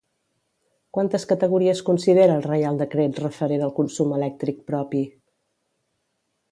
Quantes categories considera el Reial Decret referent al consum elèctric propi?